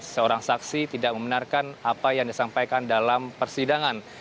seorang saksi tidak membenarkan apa yang disampaikan dalam persidangan